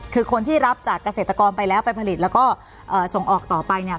คือคนที่รับจากเกษตรกรไปแล้วไปผลิตแล้วก็ส่งออกต่อไปเนี่ย